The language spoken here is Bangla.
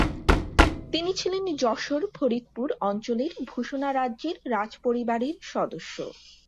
তিনি ছিলেন যশোর-ফরিদপুর অঞ্চলের ভূষণা রাজ্যের রাজ পরিবারের সদস্য।